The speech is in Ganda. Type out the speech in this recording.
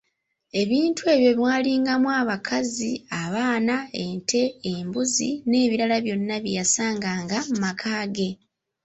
"Ebintu ebyo mwalingamu: abakazi, abaana, ente, embuzi n’ebirala byonna bye yasanganga mu maka ge."